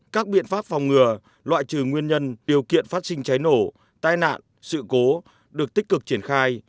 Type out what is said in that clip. các biện pháp phòng ngừa loại trừ nguyên nhân điều kiện phát sinh cháy nổ tai nạn sự cố được tích cực triển khai